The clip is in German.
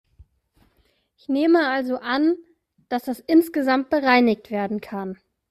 Ich nehme also an, dass das insgesamt bereinigt werden kann.